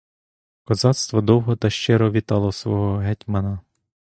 Козацтво довго та щиро вітало свого гетьмана.